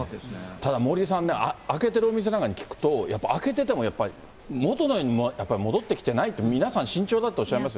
ただ、森さん、開けてるお店なんかに聞くと、やっぱり開けててもやはり、もとのようには戻ってきてないって皆さん慎重だとおっしゃいます